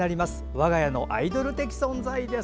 我が家のアイドル的存在です。